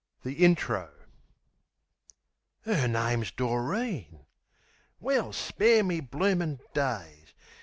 The Intro 'Er name's Doreen ...Well spare me bloomin' days!